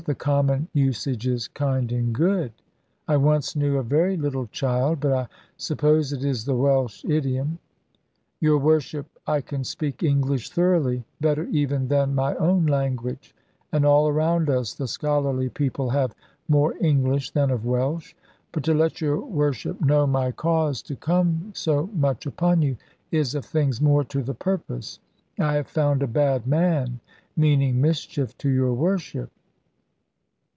The common usage is 'kind and good;' I once knew a very little child but I suppose it is the Welsh idiom." "Your Worship, I can speak English thoroughly; better even than my own language; and all around us the scholarly people have more English than of Welsh. But to let your Worship know my cause to come so much upon you, is of things more to the purpose. I have found a bad man meaning mischief to your Worship."